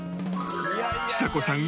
ちさ子さん